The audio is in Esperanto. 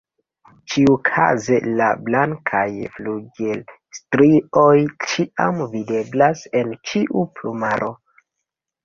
Ĉiukaze la blankaj flugilstrioj ĉiam videblas en ĉiu plumaro.